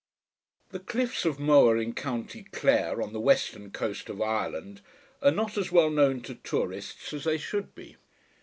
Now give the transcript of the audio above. The cliffs of Moher in Co. Clare, on the western coast of Ireland, are not as well known to tourists as they should be.